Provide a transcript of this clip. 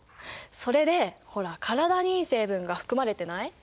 それでほら体にいい成分が含まれてない？